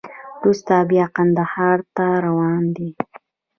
وروسته بیا کندهار ته روان دی.